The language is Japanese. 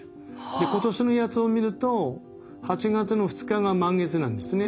で今年のやつを見ると８月の２日が満月なんですね。